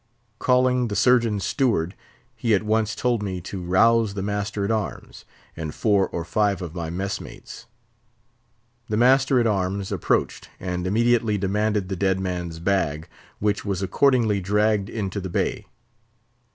Calling the Surgeon's steward, he at once told me to rouse the master at arms, and four or five of my mess mates. The master at arms approached, and immediately demanded the dead man's bag, which was accordingly dragged into the bay.